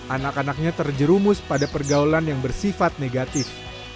anak anaknya terjerumus pada pergaulan yang bersifat negatif